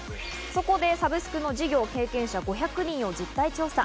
そこでサブスクの事業経験者５００人を実態調査。